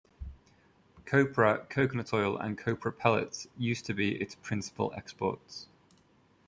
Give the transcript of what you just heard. Copra, coconut oil and copra pellets used to be its principal exports.